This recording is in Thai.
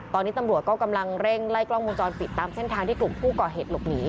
ตอนนี้ตำรวจก็กำลังเร่งไล่กล้องวงจรปิดตามเส้นทางที่กลุ่มผู้ก่อเหตุหลบหนี